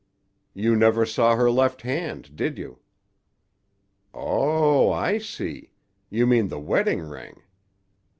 "You never saw her left hand, did you?" "Oh, I see. You mean the wedding ring.